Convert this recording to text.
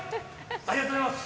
ありがとうございます。